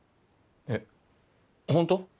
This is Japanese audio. えっホント？